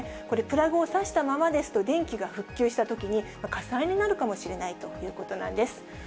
これ、プラグを差したままですと電気が復旧したときに火災になるかもしれないということなんです。